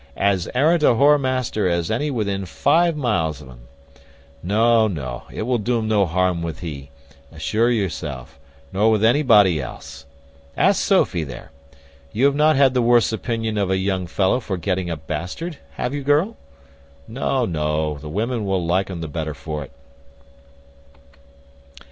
As arrant a whore master as any within five miles o'un. No, no. It will do'n no harm with he, assure yourself; nor with anybody else. Ask Sophy there You have not the worse opinion of a young fellow for getting a bastard, have you, girl? No, no, the women will like un the better for't."